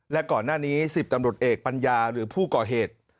และก่อนหน้านี้๑๐ตำรวจเอกปัญญาหรือผู้ก่อเหตุ